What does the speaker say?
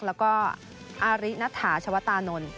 แล้วก็อาริณัฐาชวตานนท์